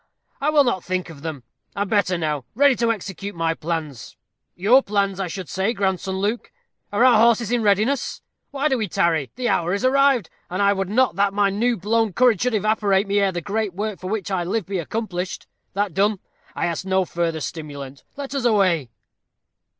I will not think of them. I am better now ready to execute my plans your plans I should say, grandson Luke. Are our horses in readiness? Why do we tarry? The hour is arrived, and I would not that my new blown courage should evaporate ere the great work for which I live be accomplished. That done, I ask no further stimulant. Let us away."